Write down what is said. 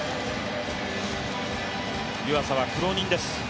湯浅は苦労人です。